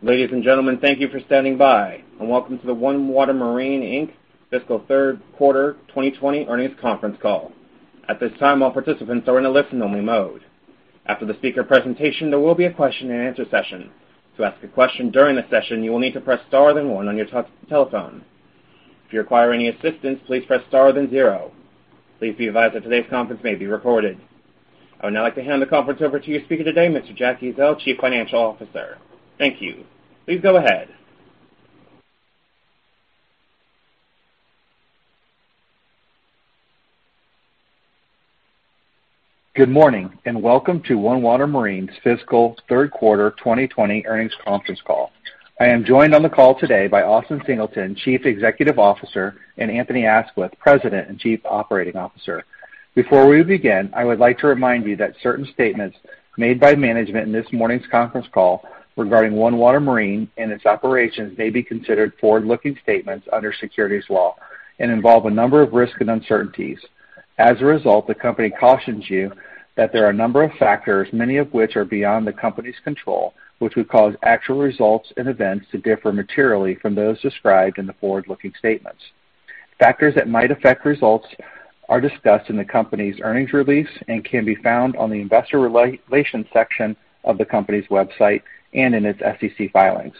Ladies and gentlemen, thank you for standing by, and welcome to the OneWater Marine Inc. fiscal third quarter 2020 earnings conference call. At this time, all participants are in a listen-only mode. After the speaker presentation, there will be a question and answer session. To ask a question during the session, you will need to press star then one on your telephone. If you require any assistance, please press star then zero. Please be advised that today's conference may be recorded. I would now like to hand the conference over to your speaker today, Mr. Jack Ezzell, Chief Financial Officer. Thank you. Please go ahead. Good morning. Welcome to OneWater Marine's fiscal third quarter 2020 earnings conference call. I am joined on the call today by Austin Singleton, Chief Executive Officer, and Anthony Aisquith, President and Chief Operating Officer. Before we begin, I would like to remind you that certain statements made by management in this morning's conference call regarding OneWater Marine and its operations may be considered forward-looking statements under securities law and involve a number of risks and uncertainties. As a result, the company cautions you that there are a number of factors, many of which are beyond the company's control, which would cause actual results and events to differ materially from those described in the forward-looking statements. Factors that might affect results are discussed in the company's earnings release and can be found on the investor relations section of the company's website and in its SEC filings.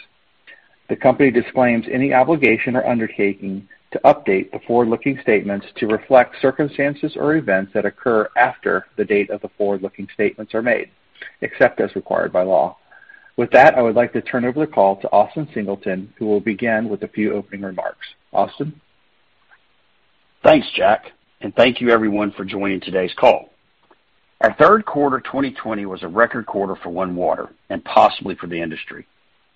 The company disclaims any obligation or undertaking to update the forward-looking statements to reflect circumstances or events that occur after the date that the forward-looking statements are made, except as required by law. With that, I would like to turn over the call to Austin Singleton, who will begin with a few opening remarks. Austin? Thanks, Jack, and thank you everyone for joining today's call. Our Q3 2020 was a record quarter for OneWater and possibly for the industry.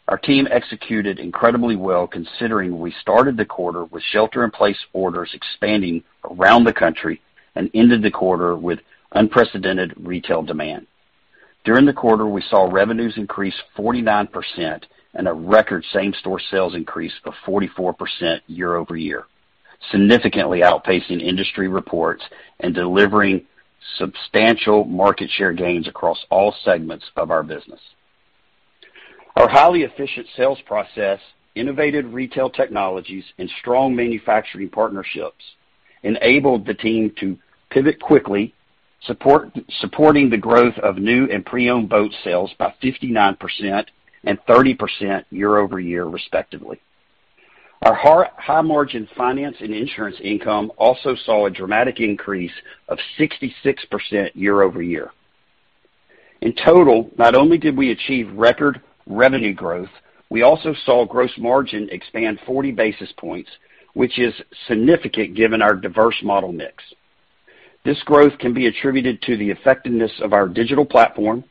Our team executed incredibly well, considering we started the quarter with shelter in place orders expanding around the country and ended the quarter with unprecedented retail demand. During the quarter, we saw revenues increase 49% and a record same-store sales increase of 44% YoY, significantly outpacing industry reports and delivering substantial market share gains across all segments of our business. Our highly efficient sales process, innovative retail technologies, and strong manufacturing partnerships enabled the team to pivot quickly, supporting the growth of new and pre-owned boat sales by 59% and 30% YoY respectively. Our high margin finance and insurance income also saw a dramatic increase of 66% YoY. In total, not only did we achieve record revenue growth, we also saw gross margin expand 40 basis points, which is significant given our diverse model mix. This growth can be attributed to the effectiveness of our digital platform,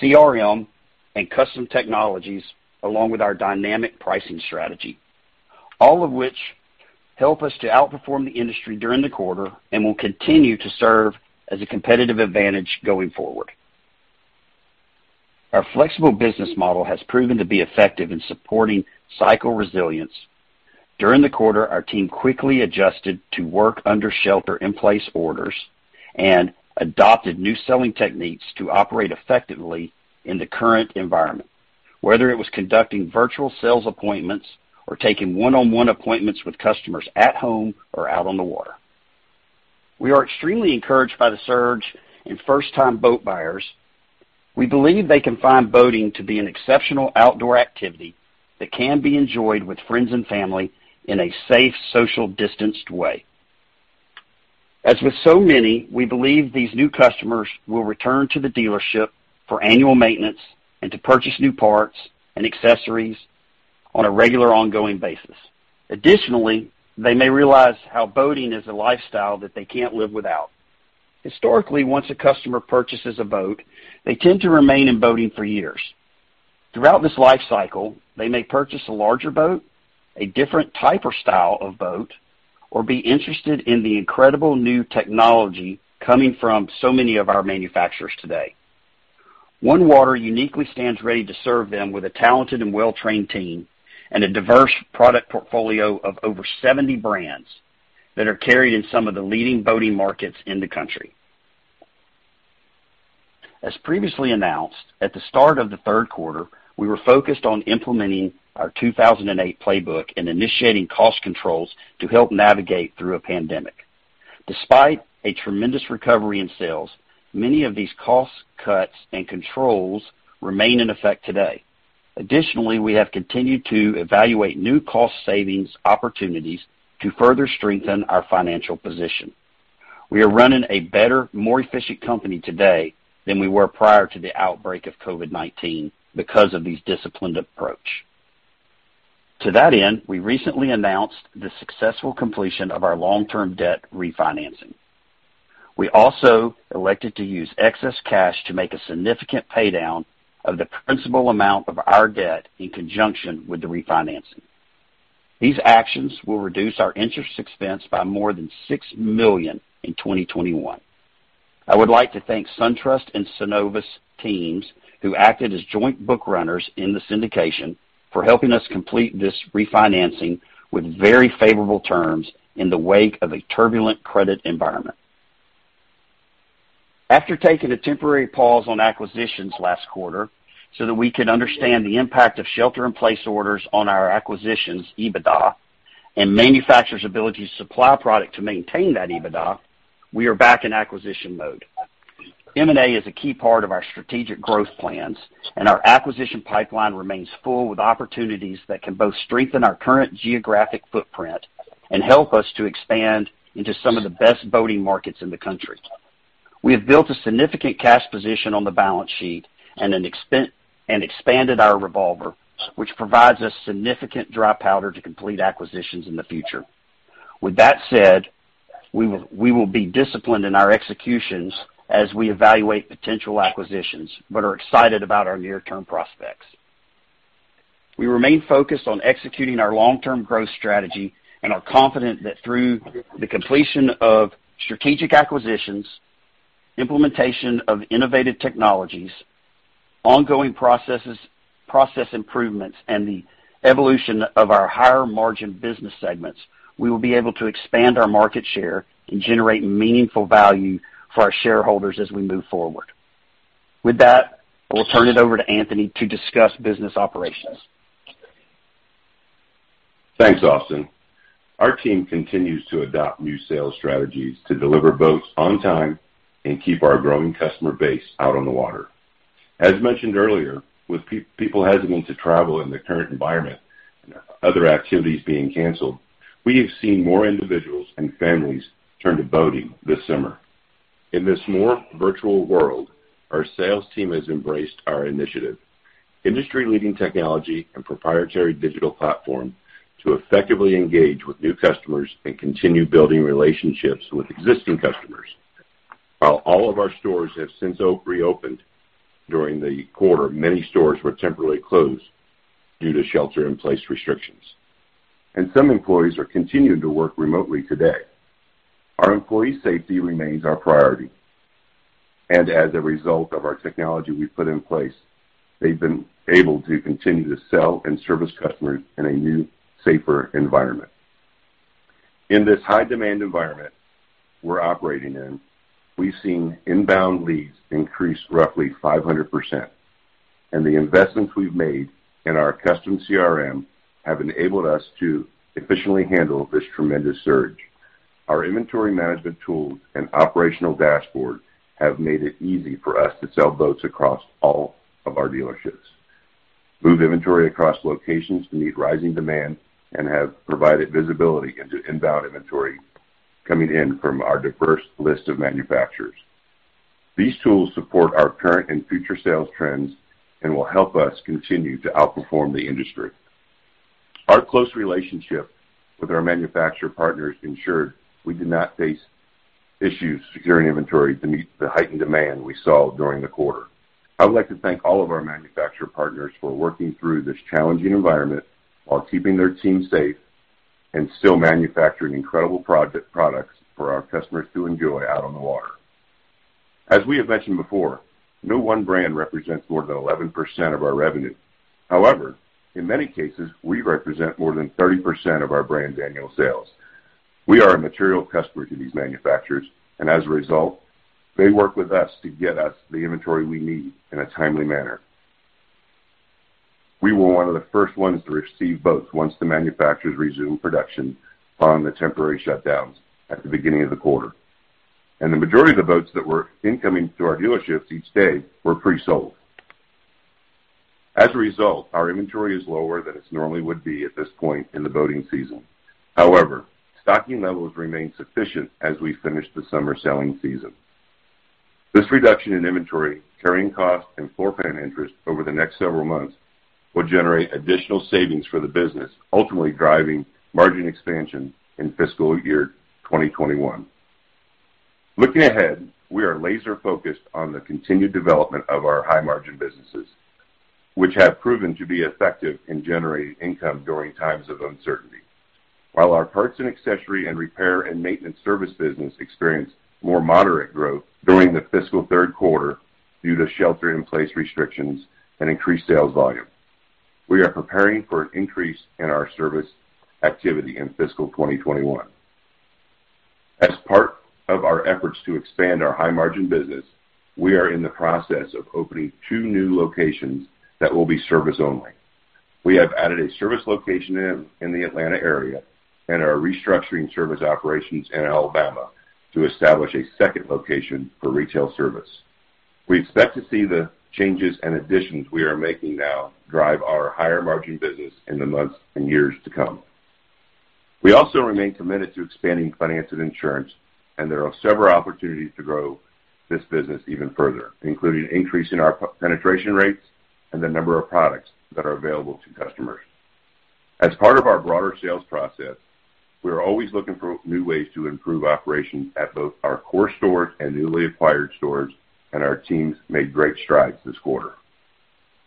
CRM, and custom technologies, along with our dynamic pricing strategy, all of which help us to outperform the industry during the quarter and will continue to serve as a competitive advantage going forward. Our flexible business model has proven to be effective in supporting cycle resilience. During the quarter, our team quickly adjusted to work under shelter in place orders and adopted new selling techniques to operate effectively in the current environment, whether it was conducting virtual sales appointments or taking one-on-one appointments with customers at home or out on the water. We are extremely encouraged by the surge in first-time boat buyers. We believe they can find boating to be an exceptional outdoor activity that can be enjoyed with friends and family in a safe, social distanced way. As with so many, we believe these new customers will return to the dealership for annual maintenance and to purchase new parts and accessories on a regular ongoing basis. Additionally, they may realize how boating is a lifestyle that they can't live without. Historically, once a customer purchases a boat, they tend to remain in boating for years. Throughout this life cycle, they may purchase a larger boat, a different type or style of boat, or be interested in the incredible new technology coming from so many of our manufacturers today. OneWater uniquely stands ready to serve them with a talented and well-trained team and a diverse product portfolio of over 70 brands that are carried in some of the leading boating markets in the country. As previously announced, at the start of the third quarter, we were focused on implementing our 2008 playbook and initiating cost controls to help navigate through a pandemic. Despite a tremendous recovery in sales, many of these cost cuts and controls remain in effect today. Additionally, we have continued to evaluate new cost savings opportunities to further strengthen our financial position. We are running a better, more efficient company today than we were prior to the outbreak of COVID-19 because of these disciplined approach. To that end, we recently announced the successful completion of our long-term debt refinancing. We also elected to use excess cash to make a significant paydown of the principal amount of our debt in conjunction with the refinancing. These actions will reduce our interest expense by more than $6 million in 2021. I would like to thank SunTrust and Synovus teams, who acted as joint book runners in the syndication, for helping us complete this refinancing with very favorable terms in the wake of a turbulent credit environment. After taking a temporary pause on acquisitions last quarter so that we could understand the impact of shelter-in-place orders on our acquisitions EBITDA and manufacturers' ability to supply product to maintain that EBITDA, we are back in acquisition mode. M&A is a key part of our strategic growth plans, our acquisition pipeline remains full with opportunities that can both strengthen our current geographic footprint and help us to expand into some of the best boating markets in the country. We have built a significant cash position on the balance sheet and expanded our revolver, which provides us significant dry powder to complete acquisitions in the future. With that said, we will be disciplined in our executions as we evaluate potential acquisitions but are excited about our near-term prospects. We remain focused on executing our long-term growth strategy and are confident that through the completion of strategic acquisitions, implementation of innovative technologies, ongoing process improvements, and the evolution of our higher-margin business segments, we will be able to expand our market share and generate meaningful value for our shareholders as we move forward. With that, I will turn it over to Anthony to discuss business operations. Thanks, Austin. Our team continues to adopt new sales strategies to deliver boats on time and keep our growing customer base out on the water. As mentioned earlier, with people hesitant to travel in the current environment and other activities being canceled, we have seen more individuals and families turn to boating this summer. In this more virtual world, our sales team has embraced our initiative, industry-leading technology and proprietary digital platform to effectively engage with new customers and continue building relationships with existing customers. While all of our stores have since reopened during the quarter, many stores were temporarily closed due to shelter-in-place restrictions, and some employees are continuing to work remotely today. Our employee safety remains our priority. As a result of our technology we've put in place, they've been able to continue to sell and service customers in a new, safer environment. In this high-demand environment we're operating in, we've seen inbound leads increase roughly 500%, and the investments we've made in our custom CRM have enabled us to efficiently handle this tremendous surge. Our inventory management tools and operational dashboard have made it easy for us to sell boats across all of our dealerships, move inventory across locations to meet rising demand, and have provided visibility into inbound inventory coming in from our diverse list of manufacturers. These tools support our current and future sales trends and will help us continue to outperform the industry. Our close relationship with our manufacturer partners ensured we did not face issues securing inventory to meet the heightened demand we saw during the quarter. I would like to thank all of our manufacturer partners for working through this challenging environment while keeping their teams safe and still manufacturing incredible products for our customers to enjoy out on the water. As we have mentioned before, no one brand represents more than 11% of our revenue. However, in many cases, we represent more than 30% of our brands' annual sales. We are a material customer to these manufacturers, and as a result, they work with us to get us the inventory we need in a timely manner. We were one of the first ones to receive boats once the manufacturers resumed production from the temporary shutdowns at the beginning of the quarter. The majority of the boats that were incoming to our dealerships each day were pre-sold. As a result, our inventory is lower than it normally would be at this point in the boating season. However, stocking levels remain sufficient as we finish the summer selling season. This reduction in inventory, carrying costs, and floor plan interest over the next several months will generate additional savings for the business, ultimately driving margin expansion in fiscal year 2021. Looking ahead, we are laser-focused on the continued development of our high-margin businesses, which have proven to be effective in generating income during times of uncertainty. While our parts and accessory and repair and maintenance service business experienced more moderate growth during the fiscal third quarter due to shelter-in-place restrictions and increased sales volume, we are preparing for an increase in our service activity in fiscal 2021. As part of our efforts to expand our high-margin business, we are in the process of opening two new locations that will be service-only. We have added a service location in the Atlanta area and are restructuring service operations in Alabama to establish a second location for retail service. We expect to see the changes and additions we are making now drive our higher-margin business in the months and years to come. We also remain committed to expanding finance and insurance, and there are several opportunities to grow this business even further, including increasing our penetration rates and the number of products that are available to customers. As part of our broader sales process, we are always looking for new ways to improve operations at both our core stores and newly acquired stores, and our teams made great strides this quarter.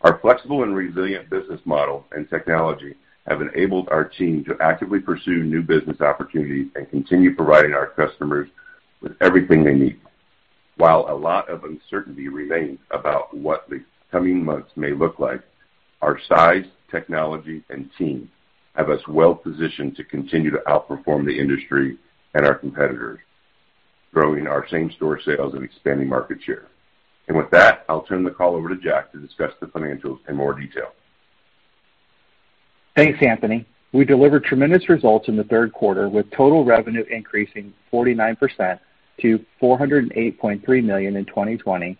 Our flexible and resilient business model and technology have enabled our team to actively pursue new business opportunities and continue providing our customers with everything they need. While a lot of uncertainty remains about what the coming months may look like, our size, technology, and team have us well positioned to continue to outperform the industry and our competitors, growing our same-store sales and expanding market share. With that, I'll turn the call over to Jack to discuss the financials in more detail. Thanks, Anthony. We delivered tremendous results in the third quarter, with total revenue increasing 49% to $408.3 million in 2020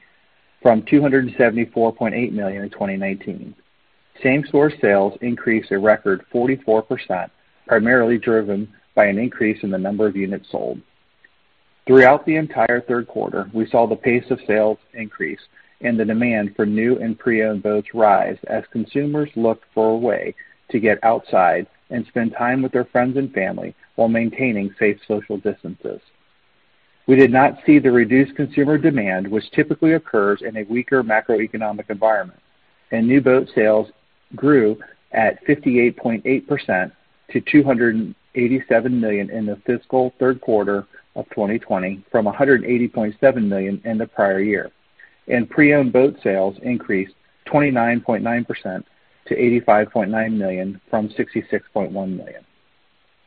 from $274.8 million in 2019. Same-store sales increased a record 44%, primarily driven by an increase in the number of units sold. Throughout the entire third quarter, we saw the pace of sales increase and the demand for new and pre-owned boats rise as consumers looked for a way to get outside and spend time with their friends and family while maintaining safe social distances. We did not see the reduced consumer demand which typically occurs in a weaker macroeconomic environment, and new boat sales grew at 58.8% to $287 million in the fiscal third quarter of 2020 from $180.7 million in the prior year. Pre-owned boat sales increased 29.9% to $85.9 million from $66.1 million.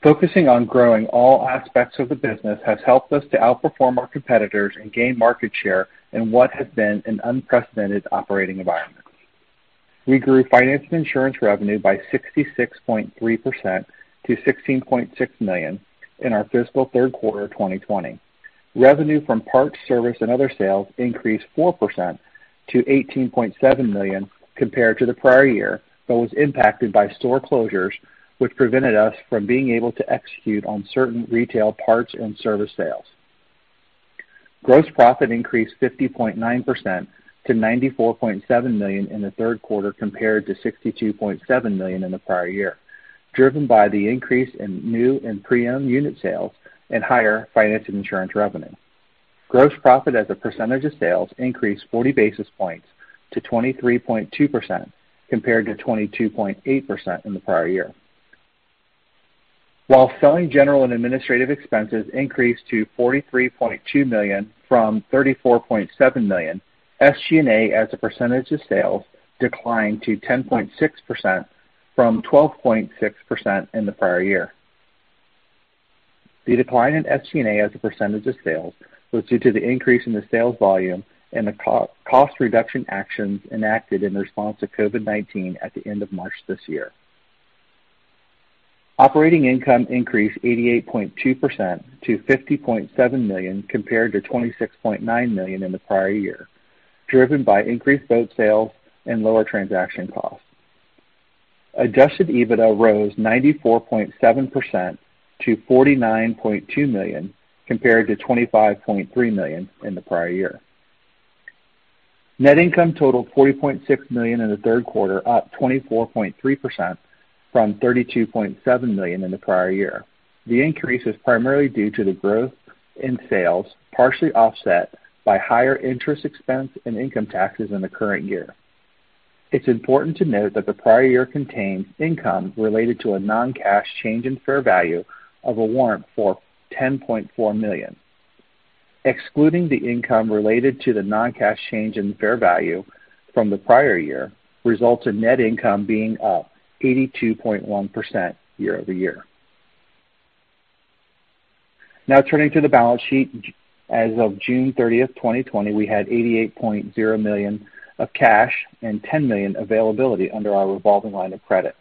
Focusing on growing all aspects of the business has helped us to outperform our competitors and gain market share in what has been an unprecedented operating environment. We grew finance and insurance revenue by 66.3% to $16.6 million in our fiscal third quarter of 2020. Revenue from parts, service, and other sales increased 4% to $18.7 million compared to the prior year, but was impacted by store closures, which prevented us from being able to execute on certain retail parts and service sales. Gross profit increased 50.9% to $94.7 million in the third quarter compared to $62.7 million in the prior year, driven by the increase in new and pre-owned unit sales and higher finance and insurance revenue. Gross profit as a percentage of sales increased 40 basis points to 23.2%, compared to 22.8% in the prior year. While selling, general, and administrative expenses increased to $43.2 million from $34.7 million, SG&A as a percentage of sales declined to 10.6% from 12.6% in the prior year. The decline in SG&A as a percentage of sales was due to the increase in the sales volume and the cost reduction actions enacted in response to COVID-19 at the end of March this year. Operating income increased 88.2% to $50.7 million compared to $26.9 million in the prior year, driven by increased boat sales and lower transaction costs. Adjusted EBITDA rose 94.7% to $49.2 million, compared to $25.3 million in the prior year. Net income totaled $40.6 million in the third quarter, up 24.3% from $32.7 million in the prior year. The increase is primarily due to the growth in sales, partially offset by higher interest expense and income taxes in the current year. It's important to note that the prior year contains income related to a non-cash change in fair value of a warrant for $10.4 million. Excluding the income related to the non-cash change in fair value from the prior year results in net income being up 82.1% YoY. Now, turning to the balance sheet. As of June 30th, 2020, we had $88.0 million of cash and $10 million availability under our revolving line of credit.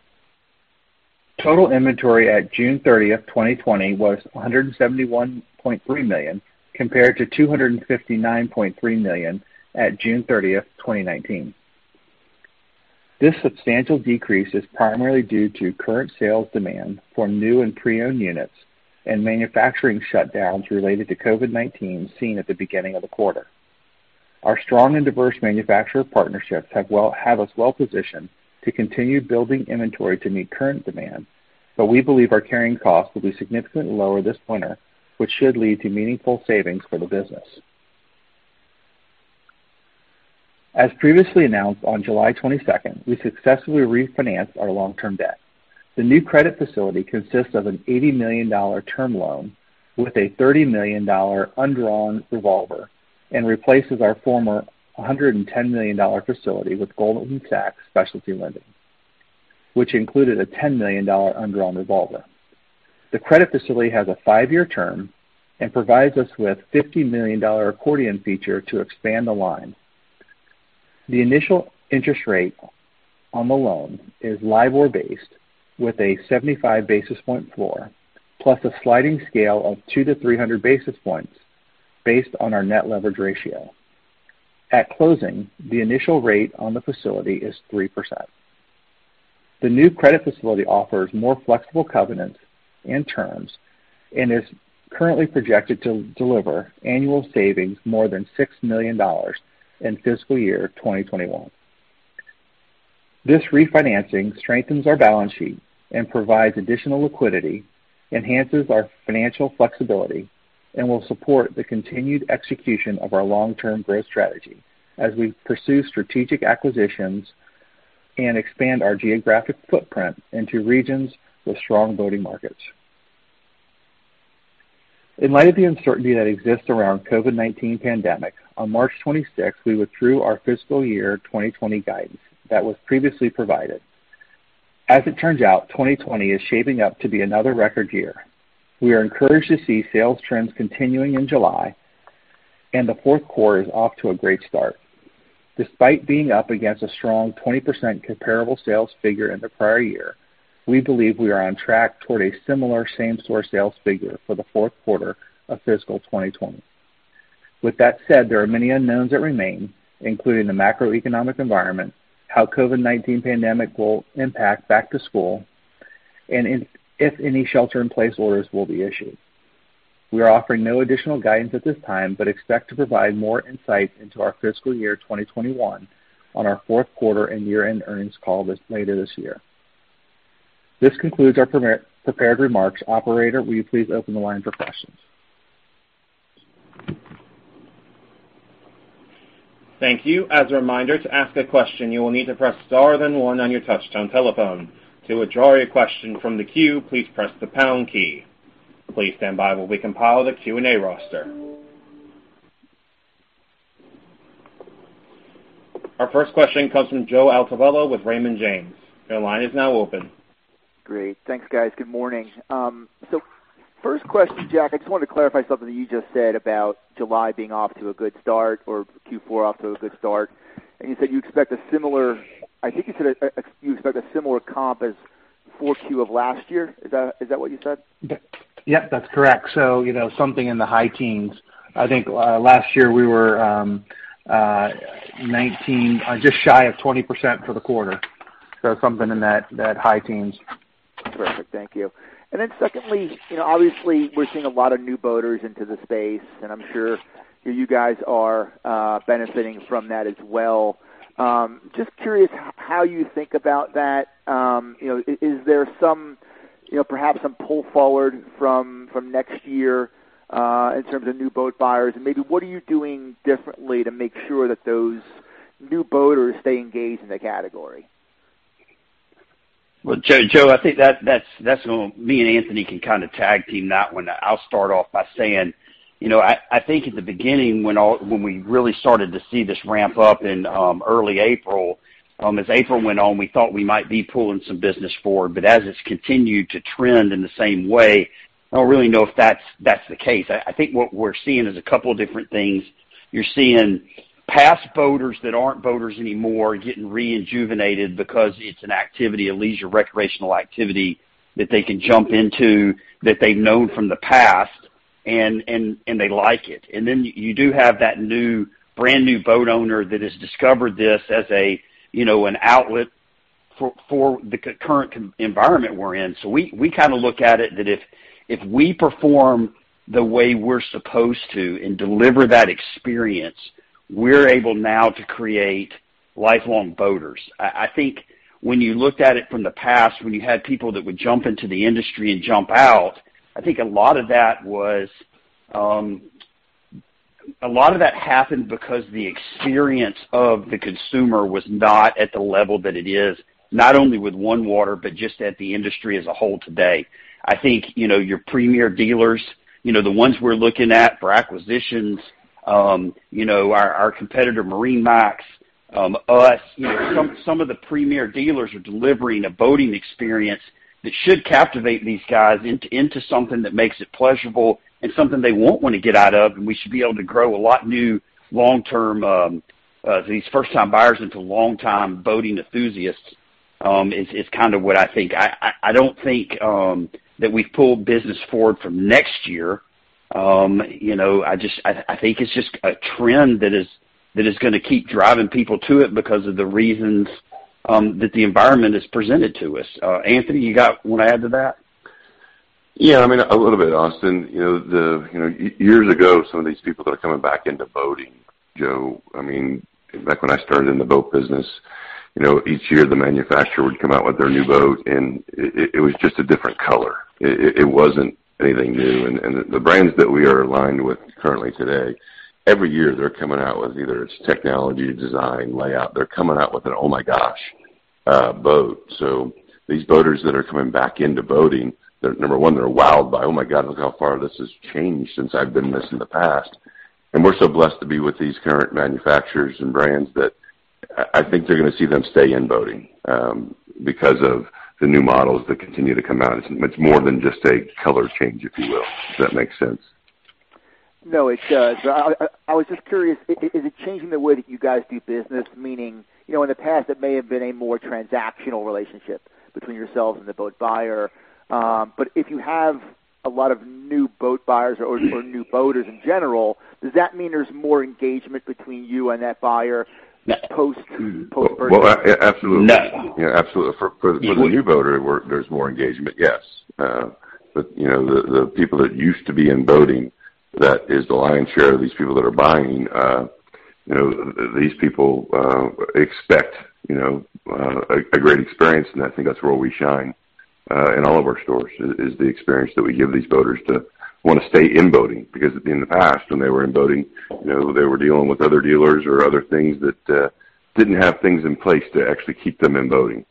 Total inventory at June 30th, 2020 was $171.3 million, compared to $259.3 million at June 30th, 2019. This substantial decrease is primarily due to current sales demand for new and pre-owned units and manufacturing shutdowns related to COVID-19 seen at the beginning of the quarter. Our strong and diverse manufacturer partnerships have us well positioned to continue building inventory to meet current demand, but we believe our carrying costs will be significantly lower this winter, which should lead to meaningful savings for the business. As previously announced on July 22nd, we successfully refinanced our long-term debt. The new credit facility consists of an $80 million term loan with a $30 million undrawn revolver and replaces our former $110 million facility with Goldman Sachs Specialty Lending, which included a $10 million undrawn revolver. The credit facility has a five-year term and provides us with a $50 million accordion feature to expand the line. The initial interest rate on the loan is LIBOR-based with a 75 basis point floor, plus a sliding scale of 200-300 basis points based on our net leverage ratio. At closing, the initial rate on the facility is 3%. The new credit facility offers more flexible covenants and terms and is currently projected to deliver annual savings more than $6 million in fiscal year 2021. This refinancing strengthens our balance sheet and provides additional liquidity, enhances our financial flexibility, will support the continued execution of our long-term growth strategy as we pursue strategic acquisitions and expand our geographic footprint into regions with strong boating markets. In light of the uncertainty that exists around COVID-19 pandemic, on March 26th, we withdrew our fiscal year 2020 guidance that was previously provided. As it turns out, 2020 is shaping up to be another record year. We are encouraged to see sales trends continuing in July, the fourth quarter is off to a great start. Despite being up against a strong 20% comparable sales figure in the prior year, we believe we are on track toward a similar same store sales figure for the fourth quarter of fiscal 2020. There are many unknowns that remain, including the macroeconomic environment, how COVID-19 pandemic will impact back to school, and if any shelter-in-place orders will be issued. We are offering no additional guidance at this time, but expect to provide more insight into our fiscal year 2021 on our fourth quarter and year-end earnings call later this year. This concludes our prepared remarks. Operator, will you please open the line for questions? Thank you. As a reminder, to ask a question, you will need to press star, then one on your touchtone telephone. To withdraw your question from the queue, please press the pound key. Please stand by while we compile the Q&A roster. Our first question comes from Joe Altobello with Raymond James. Your line is now open. Great. Thanks, guys. Good morning. First question, Jack, I just wanted to clarify something that you just said about July being off to a good start or Q4 off to a good start, and you said you expect a similar comp as Q4 of last year. Is that what you said? Yep, that's correct. Something in the high teens. I think, last year we were 19, just shy of 20% for the quarter. Something in that high teens. Terrific. Thank you. Secondly, obviously we're seeing a lot of new boaters into the space, and I'm sure you guys are benefiting from that as well. Just curious how you think about that. Is there perhaps some pull forward from next year, in terms of new boat buyers? Maybe what are you doing differently to make sure that those new boaters stay engaged in the category? Joe, I think me and Anthony Aisquith can kind of tag team that one. I'll start off by saying, I think at the beginning when we really started to see this ramp up in early April. As April went on, we thought we might be pulling some business forward, but as it's continued to trend in the same way, I don't really know if that's the case. I think what we're seeing is a couple different things. You're seeing past boaters that aren't boaters anymore getting rejuvenated because it's an activity, a leisure recreational activity that they can jump into that they've known from the past, and they like it. You do have that brand-new boat owner that has discovered this as an outlet for the current environment we're in. We look at it that if we perform the way we're supposed to and deliver that experience, we're able now to create lifelong boaters. I think when you looked at it from the past, when you had people that would jump into the industry and jump out, I think a lot of that happened because the experience of the consumer was not at the level that it is, not only with OneWater, but just at the industry as a whole today. I think your premier dealers, the ones we're looking at for acquisitions, our competitor MarineMax, us. Some of the premier dealers are delivering a boating experience that should captivate these guys into something that makes it pleasurable and something they won't want to get out of, and we should be able to grow a lot new long-term, these first-time buyers into long-time boating enthusiasts. It's kind of what I think. I don't think that we've pulled business forward from next year. I think it's just a trend that is going to keep driving people to it because of the reasons that the environment has presented to us. Anthony, you want to add to that? Yeah, a little bit, Austin. Years ago, some of these people that are coming back into boating, Joe. Back when I started in the boat business, each year the manufacturer would come out with their new boat, and it was just a different color. It wasn't anything new. The brands that we are aligned with currently today, every year, they're coming out with either it's technology, design, layout. They're coming out with an Oh my gosh boat. These boaters that are coming back into boating, number 1, they're wowed by, Oh my God, look how far this has changed since I've done this in the past. We're so blessed to be with these current manufacturers and brands that I think they're going to see them stay in boating because of the new models that continue to come out. It's much more than just a color change, if you will. Does that make sense? No, it does. I was just curious, is it changing the way that you guys do business? Meaning, in the past it may have been a more transactional relationship between yourself and the boat buyer. If you have a lot of new boat buyers or new boaters in general, does that mean there's more engagement between you and that buyer post-purchase? Well, absolutely. No. Yeah, absolutely. For the new boater, there's more engagement, yes. The people that used to be in boating, that is the lion's share of these people that are buying. These people expect a great experience, and I think that's where we shine in all of our stores is the experience that we give these boaters to want to stay in boating. In the past, when they were in boating, they were dealing with other dealers or other things that didn't have things in place to actually keep them in boating.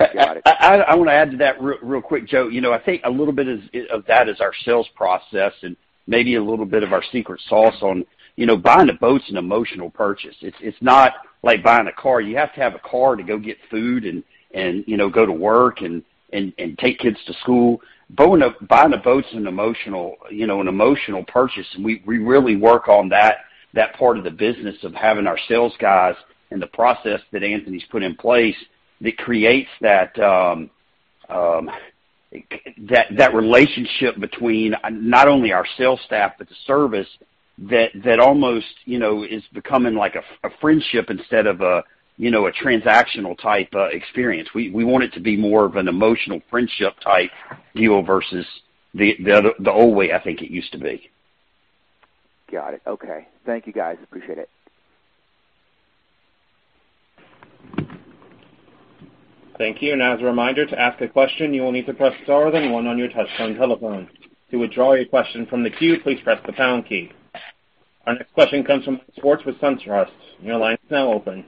I want to add to that real quick, Joe. I think a little bit of that is our sales process and maybe a little bit of our secret sauce. Buying a boat is an emotional purchase. It's not like buying a car. You have to have a car to go get food and go to work and take kids to school. Buying a boat is an emotional purchase, and we really work on that part of the business of having our sales guys and the process that Anthony's put in place that creates that relationship between not only our sales staff, but the service that almost is becoming like a friendship instead of a transactional type experience. We want it to be more of an emotional friendship type deal versus the old way I think it used to be. Got it. Okay. Thank you, guys. Appreciate it. Thank you. As a reminder, to ask a question, you will need to press star then one on your touchtone telephone. To withdraw your question from the queue, please press the pound key. Our next question comes from Mike Swartz with SunTrust. Your line is now open.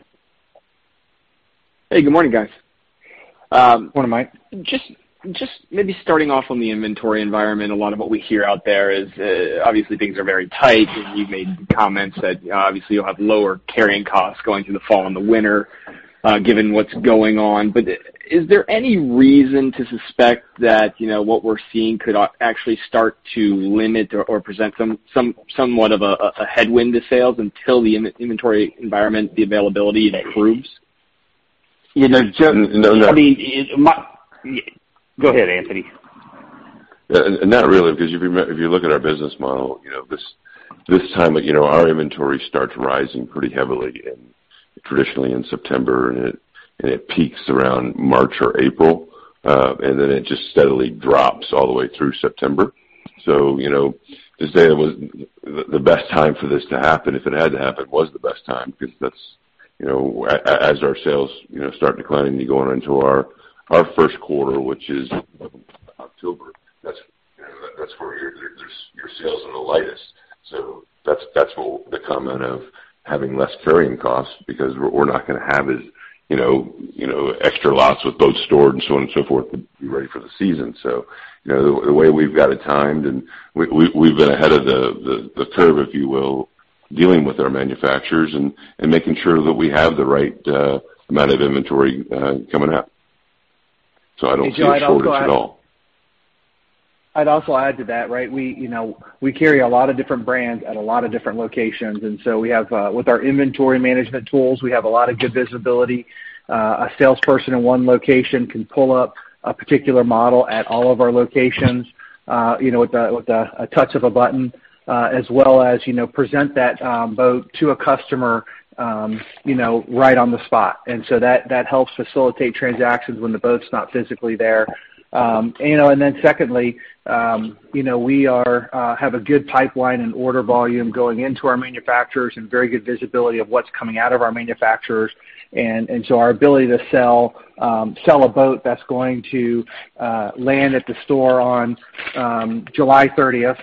Hey, good morning, guys. Good morning, Mike. Just maybe starting off on the inventory environment. A lot of what we hear out there is, obviously, things are very tight, and you've made comments that obviously you'll have lower carrying costs going through the fall and the winter, given what's going on. Is there any reason to suspect that what we're seeing could actually start to limit or present somewhat of a headwind to sales until the inventory environment, the availability improves? Go ahead, Anthony. Not really, because if you look at our business model, this time our inventory starts rising pretty heavily traditionally in September, and it peaks around March or April, and then it just steadily drops all the way through September. To say that the best time for this to happen, if it had to happen, was the best time because as our sales start declining, you go into our first quarter, which is October. That's where your sales are the lightest. That's what will become out of having less carrying costs because we're not going to have as extra lots with boats stored and so on and so forth to be ready for the season. The way we've got it timed, and we've been ahead of the curve, if you will, dealing with our manufacturers and making sure that we have the right amount of inventory coming out. I don't see a shortage at all. I'd also add to that. We carry a lot of different brands at a lot of different locations, and so with our inventory management tools, we have a lot of good visibility. A salesperson in one location can pull up a particular model at all of our locations with a touch of a button, as well as present that boat to a customer right on the spot. That helps facilitate transactions when the boat's not physically there. Secondly, we have a good pipeline and order volume going into our manufacturers and very good visibility of what's coming out of our manufacturers. Our ability to sell a boat that's going to land at the store on July 30th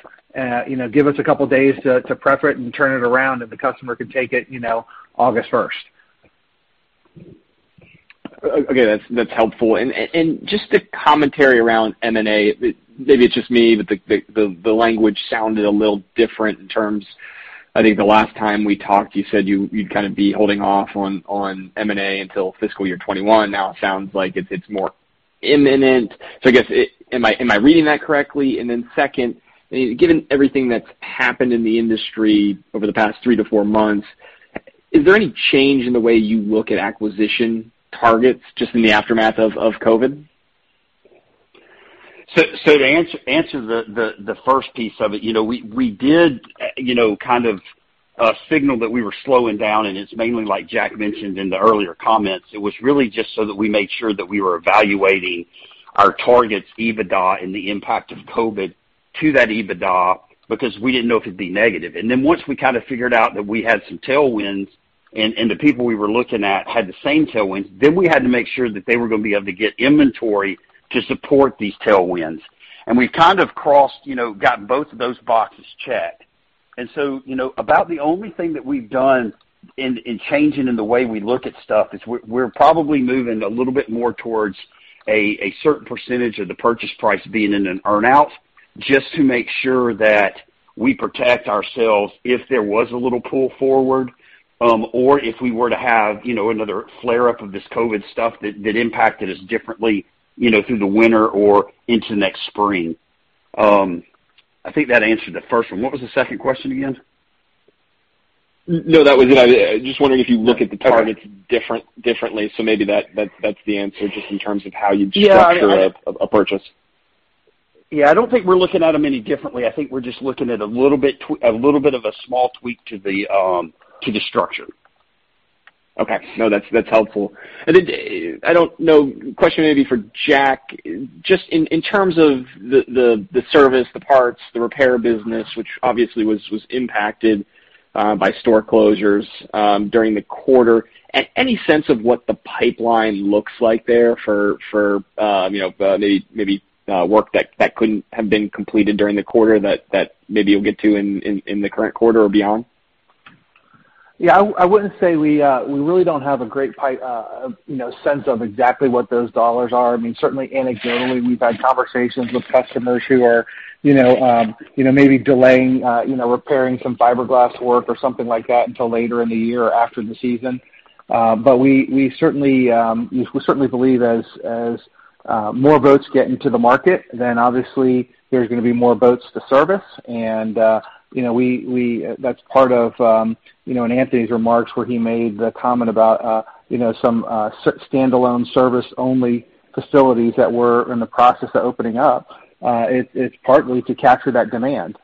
give us a couple of days to prep it and turn it around, and the customer can take it August 1st. Okay, that's helpful. Just a commentary around M&A. Maybe it's just me, but the language sounded a little different. I think the last time we talked, you said you'd kind of be holding off on M&A until fiscal year 2021. Now it sounds like it's more imminent. I guess, am I reading that correctly? Then second, given everything that's happened in the industry over the past three to four months, is there any change in the way you look at acquisition targets just in the aftermath of COVID? To answer the first piece of it, we did kind of signal that we were slowing down. It's mainly like Jack mentioned in the earlier comments. It was really just so that we made sure that we were evaluating our targets EBITDA and the impact of COVID to that EBITDA because we didn't know if it'd be negative. Once we kind of figured out that we had some tailwinds and the people we were looking at had the same tailwinds, then we had to make sure that they were going to be able to get inventory to support these tailwinds. We've kind of gotten both of those boxes checked. About the only thing that we've done in changing in the way we look at stuff is we're probably moving a little bit more towards a certain percentage of the purchase price being in an earn-out, just to make sure that we protect ourselves if there was a little pull forward, or if we were to have another flare-up of this COVID stuff that impacted us differently through the winter or into next spring. I think that answered the first one. What was the second question again? No, that was it. I was just wondering if you look at the targets differently. Maybe that's the answer, just in terms of how you'd structure a purchase. Yeah, I don't think we're looking at them any differently. I think we're just looking at a little bit of a small tweak to the structure. Okay. No, that's helpful. I don't know, question maybe for Jack, just in terms of the service, the parts, the repair business, which obviously was impacted by store closures during the quarter. Any sense of what the pipeline looks like there for maybe work that couldn't have been completed during the quarter that maybe you'll get to in the current quarter or beyond? Yeah, we really don't have a great sense of exactly what those dollars are. Certainly anecdotally, we've had conversations with customers who are maybe delaying repairing some fiberglass work or something like that until later in the year or after the season. We certainly believe as more boats get into the market, then obviously there's going to be more boats to service. That's part of in Anthony's remarks, where he made the comment about some standalone service-only facilities that were in the process of opening up. It's partly to capture that demand.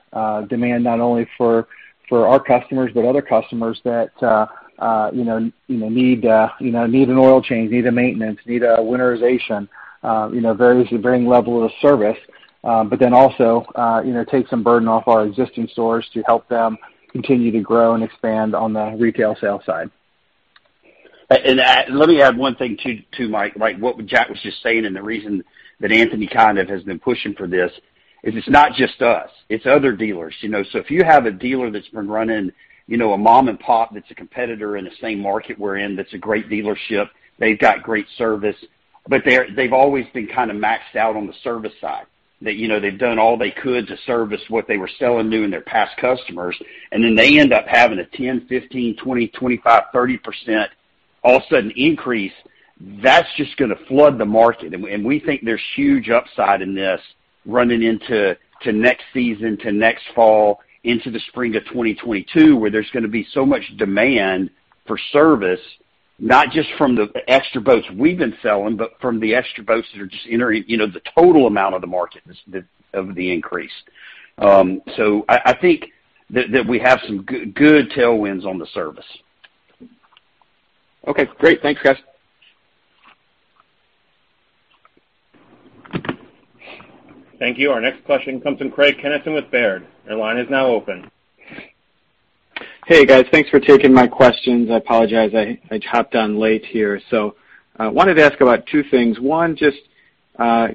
Demand not only for our customers, but other customers that need an oil change, need a maintenance, need a winterization. Various varying level of service. Also take some burden off our existing stores to help them continue to grow and expand on the retail sale side. Let me add one thing too, Mike, what Jack was just saying, and the reason that Anthony kind of has been pushing for this is it's not just us, it's other dealers. If you have a dealer that's been running a mom-and-pop that's a competitor in the same market we're in, that's a great dealership. They've got great service, but they've always been kind of maxed out on the service side. That they've done all they could to service what they were selling new and their past customers, and then they end up having a 10%, 15%, 20%, 25%, 30% all of a sudden increase. That's just going to flood the market, and we think there's huge upside in this running into next season, to next fall, into the spring of 2022, where there's going to be so much demand for service. Not just from the extra boats we've been selling, but from the extra boats that are just entering. The total amount of the market of the increase. I think that we have some good tailwinds on the service. Okay, great. Thanks, guys. Thank you. Our next question comes from Craig Kennison with Baird. Your line is now open. Hey, guys. Thanks for taking my questions. I apologize, I hopped on late here. Wanted to ask about two things. One, just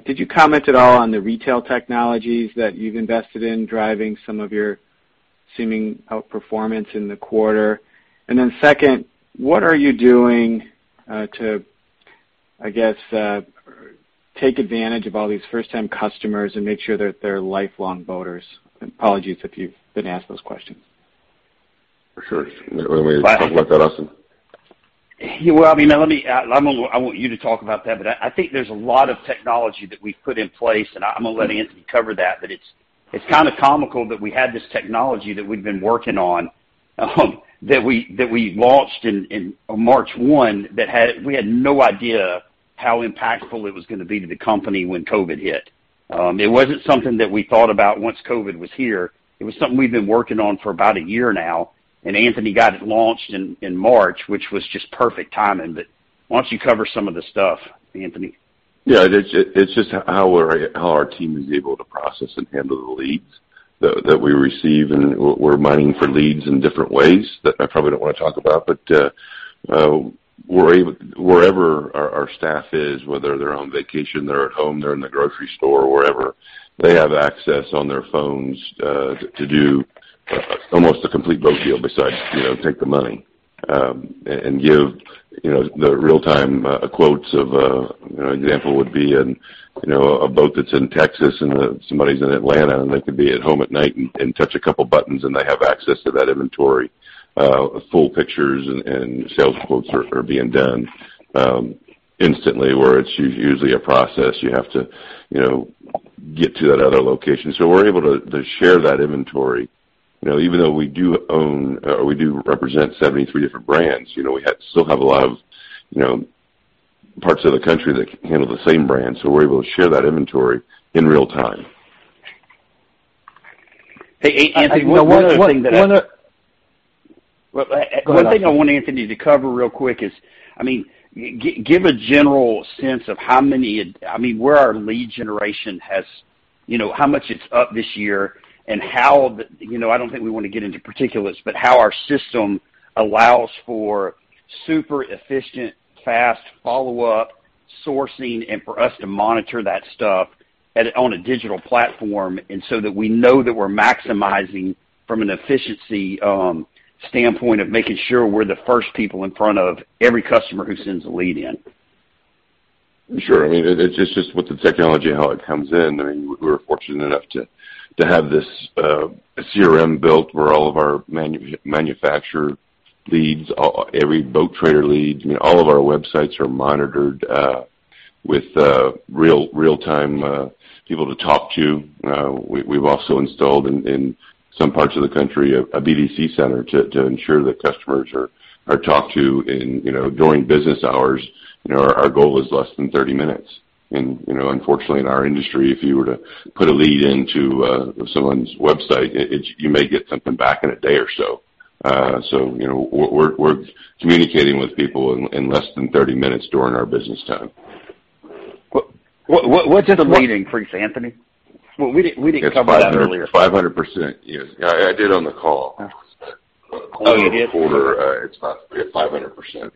did you comment at all on the retail technologies that you've invested in driving some of your seeming outperformance in the quarter? Second, what are you doing to, I guess, take advantage of all these first-time customers and make sure that they're lifelong boaters? Apologies if you've been asked those questions. For sure. You want me to talk about that, Austin? Well, I want you to talk about that, but I think there's a lot of technology that we've put in place, and I'm going to let Anthony cover that. It's kind of comical that we had this technology that we'd been working on that we launched on March 1. We had no idea how impactful it was going to be to the company when COVID hit. It wasn't something that we thought about once COVID was here. It was something we've been working on for about a year now, and Anthony got it launched in March, which was just perfect timing. Why don't you cover some of the stuff, Anthony? Yeah. It's just how our team is able to process and handle the leads that we receive. We're mining for leads in different ways that I probably don't want to talk about. Wherever our staff is, whether they're on vacation, they're at home, they're in the grocery store, wherever, they have access on their phones to do almost a complete boat deal besides take the money and give the real-time quotes. An example would be a boat that's in Texas and somebody's in Atlanta, and they can be at home at night and touch a couple of buttons, and they have access to that inventory. Full pictures and sales quotes are being done instantly, where it's usually a process. You have to get to that other location. We're able to share that inventory. Even though we do represent 73 different brands, we still have a lot of parts of the country that handle the same brand. We're able to share that inventory in real time. Hey, Anthony, one other thing that Go ahead, Austin. One thing I want Anthony to cover real quick is give a general sense of where our lead generation how much it's up this year and how, I don't think we want to get into particulars, but how our system allows for super efficient, fast follow-up sourcing and for us to monitor that stuff on a digital platform. That we know that we're maximizing from an efficiency standpoint of making sure we're the first people in front of every customer who sends a lead in. Sure. It's just with the technology and how it comes in. We were fortunate enough to have this CRM built where all of our manufacturer leads, every Boat Trader leads, all of our websites are monitored with real-time people to talk to. We've also installed in some parts of the country a BDC center to ensure that customers are talked to during business hours. Our goal is less than 30 minutes. Unfortunately in our industry, if you were to put a lead into someone's website, you may get something back in a day or so. We're communicating with people in less than 30 minutes during our business time. What's it leading for you, Anthony? We didn't cover that earlier. It's 500%. I did on the call. Oh, you did? Quarter, it's 500%.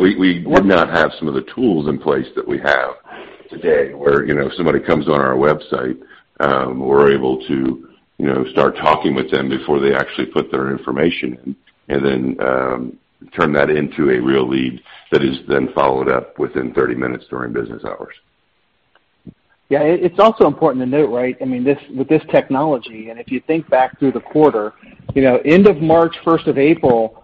We would not have some of the tools in place that we have today, where if somebody comes on our website, we're able to start talking with them before they actually put their information in, and then turn that into a real lead that is then followed up within 30 minutes during business hours. Yeah. It's also important to note, right, with this technology, and if you think back through the quarter, end of March, 1st of April,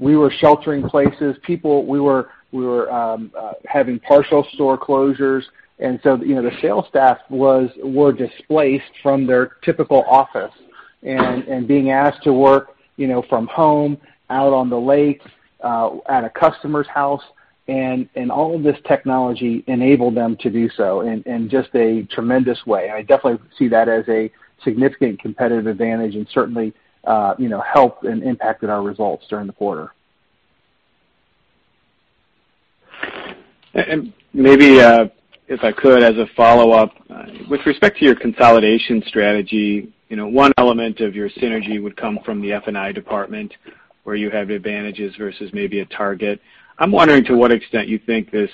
we were sheltering in places. We were having partial store closures. The sales staff were displaced from their typical office and being asked to work from home, out on the lakes, at a customer's house, and all of this technology enabled them to do so in just a tremendous way. I definitely see that as a significant competitive advantage, and certainly helped and impacted our results during the quarter. Maybe, if I could, as a follow-up, with respect to your consolidation strategy, one element of your synergy would come from the F&I department, where you have advantages versus maybe a target. I'm wondering to what extent you think this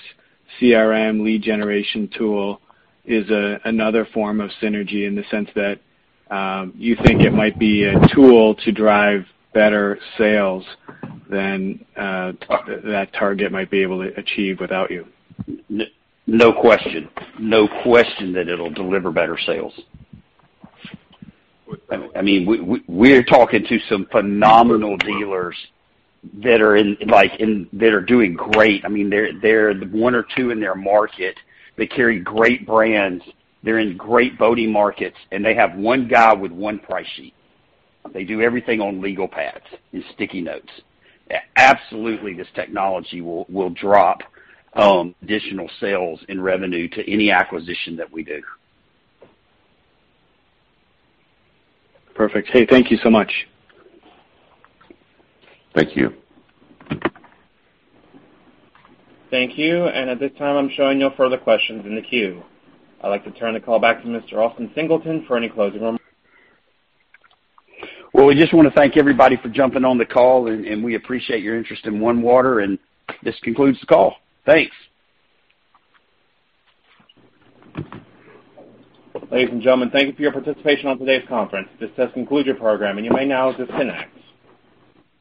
CRM lead generation tool is another form of synergy in the sense that you think it might be a tool to drive better sales than that target might be able to achieve without you? No question. No question that it'll deliver better sales. We're talking to some phenomenal dealers that are doing great. They're the one or two in their market. They carry great brands. They're in great boating markets. They have one guy with one price sheet. They do everything on legal pads and sticky notes. Absolutely, this technology will drop additional sales and revenue to any acquisition that we do. Perfect. Hey, thank you so much. Thank you. Thank you. At this time, I'm showing no further questions in the queue. I'd like to turn the call back to Mr. Austin Singleton for any closing remarks. Well, we just want to thank everybody for jumping on the call, and we appreciate your interest in OneWater, and this concludes the call. Thanks. Ladies and gentlemen, thank you for your participation on today's conference. This does conclude your program, and you may now disconnect.